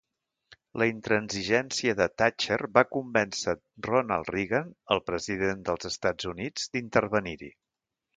La intransigència de Thatcher va convèncer Ronald Reagan, el president dels Estats Units, d'intervenir-hi.